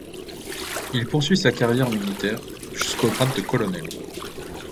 Il poursuit sa carrière militaire, jusqu'au grade de colonel.